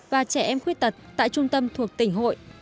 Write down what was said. và trẻ em khuyết tật tại trung tâm thuộc tỉnh hội